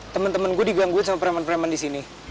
temen temen gue digangguin sama preman preman di sini